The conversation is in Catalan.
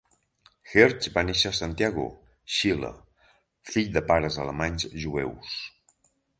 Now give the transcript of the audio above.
Hirsch va néixer a Santiago, Xile, fill de pares alemanys jueus.